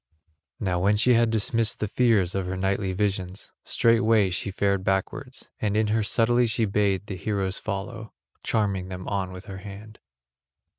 Now when she had dismissed the fears of her nightly visions, straightway she fared backwards, and in her subtlety she bade the heroes follow, charming them on with her hand.